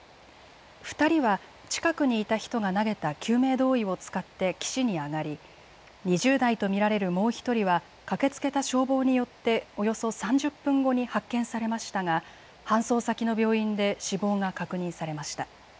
２人は近くにいた人が投げた救命胴衣を使って岸に上がり２０代と見られるもう１人は駆けつけた消防によっておよそ３０分後に発見されましたが搬送先の病院で死亡が確認されました。